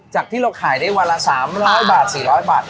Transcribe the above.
จากที่เราขายได้วันละบาทครั้งนี้สี่ร้อยบาท